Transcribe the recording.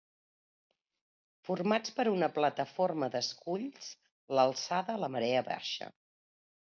Formats per una plataforma d'esculls l'alçada la marea baixa.